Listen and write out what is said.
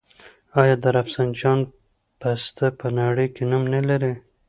آیا د رفسنجان پسته په نړۍ کې نوم نلري؟